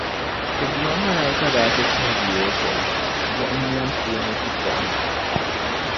Ti duuma malaika daa ti puhi yi o zuɣu buɣim niɛm puuni tutuɣu ni.